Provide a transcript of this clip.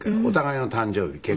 お互いの誕生日